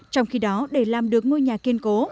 trong khi đó để làm được ngôi nhà kiên cố